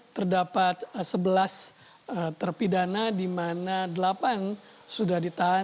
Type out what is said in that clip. terdapat sebelas terpidana dimana delapan terpidana yang terjadi pada tahun dua ribu enam belas